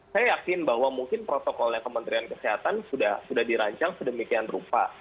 saya yakin bahwa mungkin protokolnya kementerian kesehatan sudah dirancang sedemikian rupa